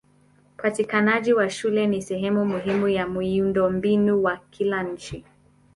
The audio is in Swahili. Upatikanaji wa shule ni sehemu muhimu ya miundombinu wa kila nchi.